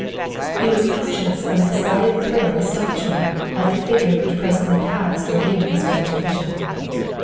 He was conscious of a decided thrill of astonishment at the figure which pres 212 THE WIFE OF ently passed within his range of vision.